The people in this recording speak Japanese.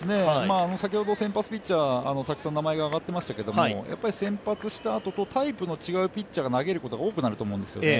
先ほど先発ピッチャーはたくさん名前が挙がっていましたけど先発したあと、タイプの違うピッチャーが投げることが多くなると思うんですよね。